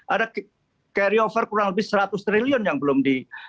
ada carryover kurang lebih seratus triliun yang belum di